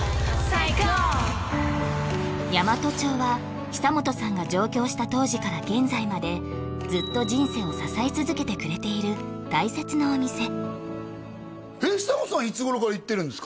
大和鳥は久本さんが上京した当時から現在までずっと人生を支え続けてくれている大切なお店えっ久本さん